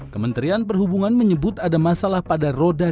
kementerian perhubungan menyebut ada masalah pada roda